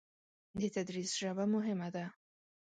د تدریس ژبه مهمه ده.